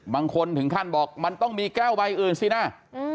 บางคนถึงขั้นบอกมันต้องมีแก้วใบอื่นสินะ